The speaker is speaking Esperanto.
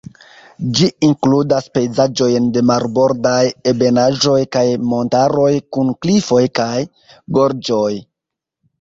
Ĝi inkludas pejzaĝojn de marbordaj ebenaĵoj kaj montaroj kun klifoj kaj gorĝoj.